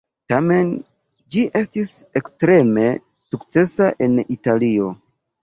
Tamen, ĝi estis ekstreme sukcesa en Italio.